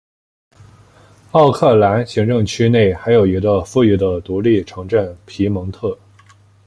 奥克兰行政区内还有一个富裕的独立城镇皮蒙特。